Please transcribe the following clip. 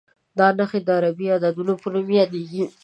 دا نښې د عربي عددونو په نوم یادېږي.